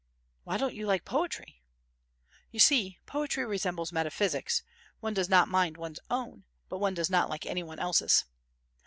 "Why don't you like poetry?" "You see, poetry resembles metaphysics, one does not mind one's own, but one does not like any one else's."